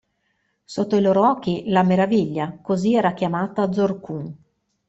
Sotto i loro occhi, la Meraviglia, così era chiamata Zorqun.